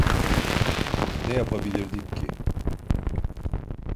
Ne yapabilirdik ki?